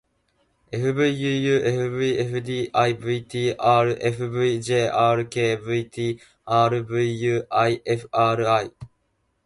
fvuufvfdivtrfvjrkvtrvuifri